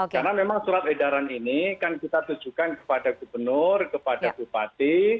karena memang surat edaran ini kan kita tujukan kepada gubernur kepada bupati